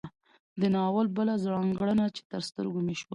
د ناول بله ځانګړنه چې تر سترګو مې شوه